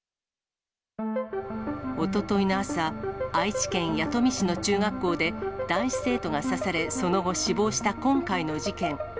おとといの朝、愛知県弥富市の中学校で、男子生徒が刺され、その後、死亡した今回の事件。